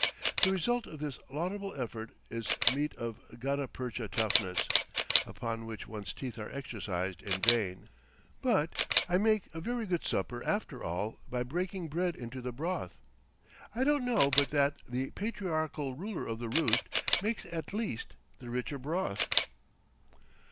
The result of this laudable effort is meat of gutta percha toughness, upon which one's teeth are exercised in vain; but I make a very good supper after all by breaking bread into the broth. I don't know but that the patriarchal ruler of the roost makes at least the richer broth.